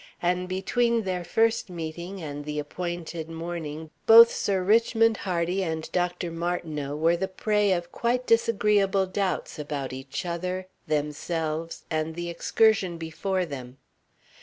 And between their first meeting and the appointed morning both Sir Richmond Hardy and Dr. Martineau were the prey of quite disagreeable doubts about each other, themselves, and the excursion before them.